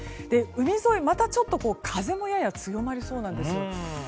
海沿い、またちょっと風もやや強まりそうなんです。